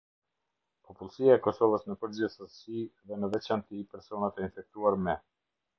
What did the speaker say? Popullsia e Kosovës në përgjithësi, dhe në veçanti personat e infektuar me.